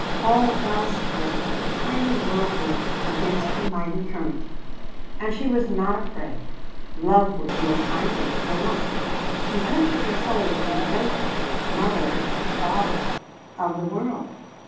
All else was but the tiny whirlpool against the mighty current. And she was not afraid. Love would deal kindly with her own. She lifted her soul to the great Mother and Father of the world.